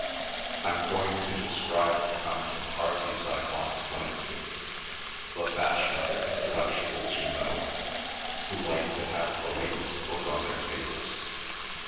I'm going to describe the kind of parties I once went to—the fashionable intellectuals, you know, who like to have the latest book on their tables.